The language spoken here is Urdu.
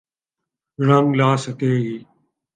رنگ لا سکے گی۔